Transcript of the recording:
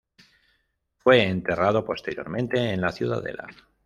Fue enterrado posteriormente en la Ciudadela.